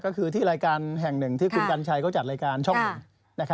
ก็คือที่รายการแห่งหนึ่งที่คุณกัญชัยเขาจัดรายการช่องหนึ่ง